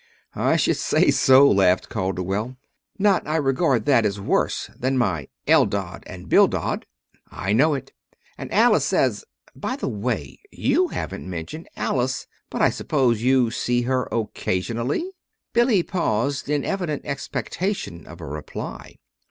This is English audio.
"I should say so," laughed Calderwell. "Not I regard that as worse than my 'Eldad' and 'Bildad.'" "I know it, and Alice says By the way, you haven't mentioned Alice, but I suppose you see her occasionally." Billy paused in evident expectation of a reply.